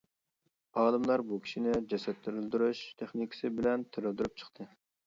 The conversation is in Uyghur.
ئالىملار بۇ كىشىنى جەسەت تىرىلدۈرۈش تېخنىكىسى بىلەن «تىرىلدۈرۈپ» چىقتى.